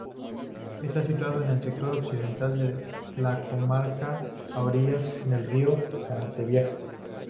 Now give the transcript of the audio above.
Está situado en el sector occidental de la comarca a orillas del río Cantavieja.